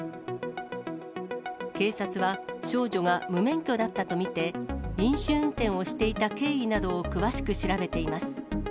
警察は少女が無免許だったと見て、飲酒運転をしていた経緯などを詳しく調べています。